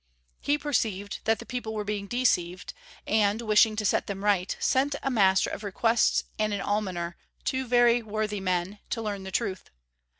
He perceived that the people were being deceived, and, wishing to set them right, sent a Master of Requests and an Almoner, two very worthy men, to learn the truth.